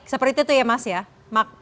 seperti itu ya mas ya